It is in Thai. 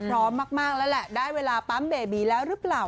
พร้อมมากแล้วแหละได้เวลาปั๊มเบบีแล้วหรือเปล่า